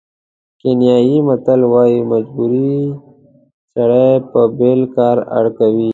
کینیايي متل وایي مجبوري سړی په بېل کار اړ کوي.